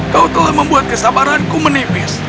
kau telah membuat kesabaranku menipis